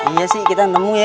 iya sih kita nemu ya